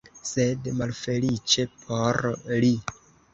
Sed malfeliĉe por li.